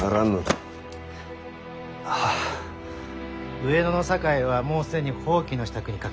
上野の酒井はもう既に蜂起の支度にかかっとりますで。